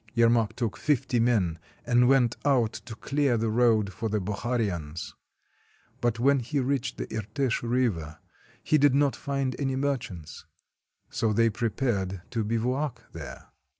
Yermak took fifty men and went out to clear the road for the Bokharians. But when he reached the Irtish River he did not find any merchants. So they prepared to bivouac there.